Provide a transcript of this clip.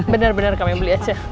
bener bener kamu yang beli aja